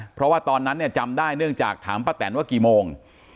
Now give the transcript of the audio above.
เพราะว่าตอนนั้นเนี่ยจำได้เนื่องจากถามป้าแตนว่ากี่โมง